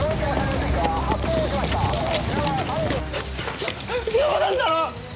じょ冗談だろ！